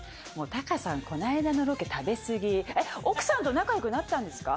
タカさん、この間のロケ、食べ過ぎ、えっ、奥さんと仲よくなったんですか？